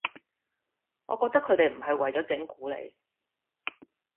我覺得佢哋唔係為咗整蠱你